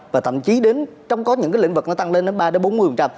và thậm chí đến trong có những cái lĩnh vực nó tăng lên đến ba bốn mươi